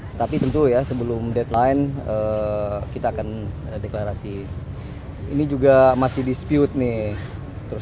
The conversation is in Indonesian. hai tapi tentu ya sebelum deadline kita akan deklarasi ini juga masih dispute nih terus